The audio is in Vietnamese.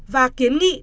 và kiến nghị